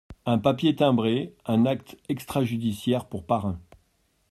Un papier timbré, un acte extra-judiciaire pour parrain.